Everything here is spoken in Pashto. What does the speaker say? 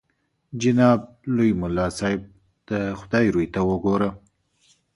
جناب لوی ملا صاحب د خدای روی ته وګوره.